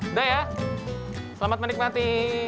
udah ya selamat menikmati